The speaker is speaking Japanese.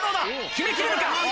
決めきれるか？